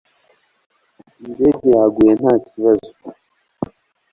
Indege yaguye nta kibazo